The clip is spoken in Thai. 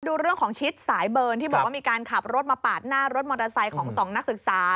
ดูเรื่องของชิดสายเบิร์นที่บอกว่ามีการขับรถมาปาดหน้ารถมอเตอร์ไซค์ของสองนักศึกษา